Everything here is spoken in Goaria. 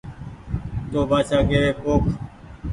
تو بآڇآڪيوي پوک